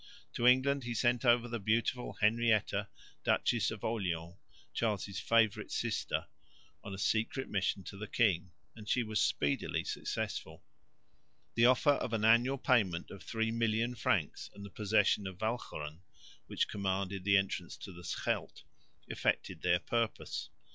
To England he sent over the beautiful Henrietta, Duchess of Orleans, Charles' favourite sister, on a secret mission to the king, and she was speedily successful. The offer of an annual payment of 3,000,000 francs and the possession of Walcheren, which commanded the entrance to the Scheldt, effected their purpose.